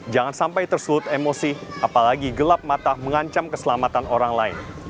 jangan sampai tersulut emosi apalagi gelap mata mengancam keselamatan orang lain